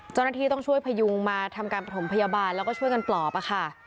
เจ้าหน้าที่ต้องช่วยพยุงมาทำการประถมพยาบาลแล้วก็ช่วยกันปลอบค่ะ